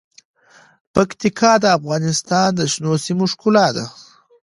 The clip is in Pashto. پکتیکا د افغانستان د شنو سیمو ښکلا ده.